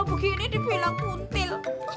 begini dipilih kutil